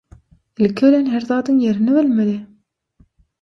Ilki bilen her zadyň ýerini bilmeli.